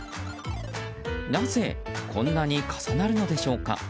なぜ、こんなに重なるのでしょうか。